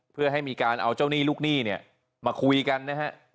เพื่อให้มีการเอาเจ้าหนี้ลูกหนี้เนี่ยมาคุยกันนะฮะ